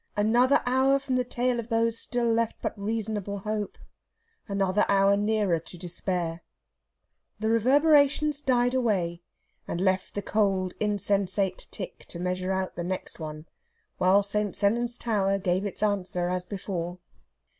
Another hour from the tale of those still left but reasonable hope; another hour nearer to despair. The reverberations died away, and left the cold insensate tick to measure out the next one, while St. Sennans tower gave its answer as before.